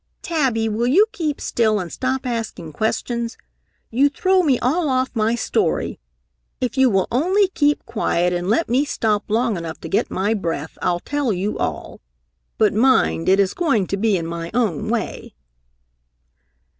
"Tabby, will you keep still and stop asking questions? You throw me all off my story! If you will only keep quiet and let me stop long enough to get my breath, I'll tell you all. But mind, it is going to be in my own way!"